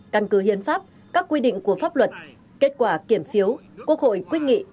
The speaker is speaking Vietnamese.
căn cứ hiến pháp các quy định của pháp luật kết quả kiểm phiếu quốc hội quyết nghị